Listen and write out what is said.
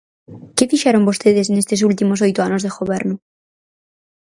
¿Que fixeron vostedes nestes últimos oito anos de goberno?